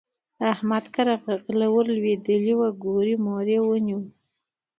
د احمد کره غل ور لوېدلی وو؛ ګوری موری يې ونيو.